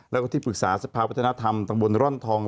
แล้วก็ที่ปรึกษาสภาวัฒนธรรมตำบลร่อนทอง